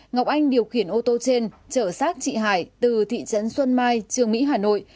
ngọc anh điều khiển ô tô trên chở sát chị hải từ thị trấn xuân mai trường mỹ hà nội